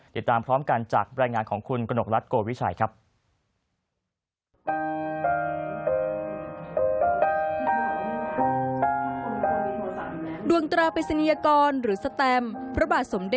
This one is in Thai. ติดตามพร้อมกันจากบรรยายงานของคุณกนกรัฐโกวิชัยครับ